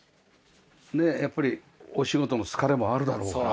ねえやっぱりお仕事の疲れもあるだろうから。